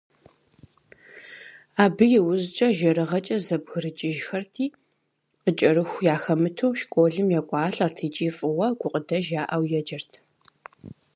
Абы иужькӏэ жэрыгъэкӏэ зэбгрыкӏыжхэрти, къыкӏэрыху яхэмыту, школым екӏуалӏэрт икӏи фӏыуэ, гукъыдэж яӏэу еджэрт.